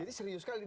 jadi serius sekali